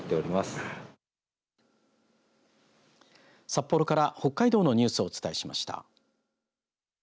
札幌から北海道のニュースをお伝えしました。